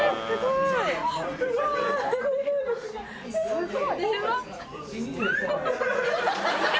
すごい。